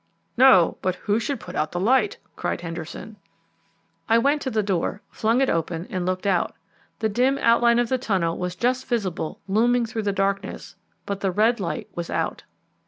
"No; but who should put out the light?" cried Henderson. I went to the door, flung it open, and looked out. The dim outline of the tunnel was just visible looming through the darkness, but the red light was out.